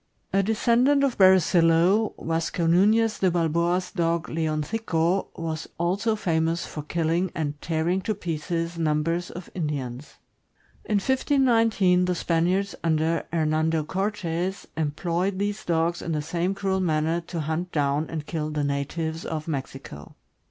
A descendant of Bere zillo, Yasco Nunez de Balboa's dog, Leoncico, was also famous for killing and tearing to pieces numbers of Indi ans. In 1519, the Spaniards Junder Hernando Cortes em ployed these dogs in the same cruel manner to hunt down and kill the natives in Mexico.